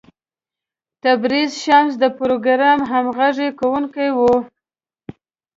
تبریز شمس د پروګرام همغږی کوونکی و.